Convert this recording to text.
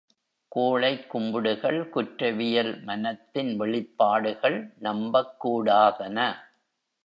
கூழைக் கும்பிடுகள், குற்றவியல் மனத்தின் வெளிப்பாடுகள் நம்பக்கூடாதன.